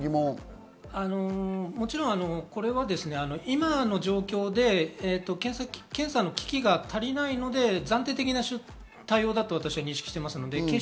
これは今の状況で、検査の機器が足りないので暫定的な対応だと私は認識しています。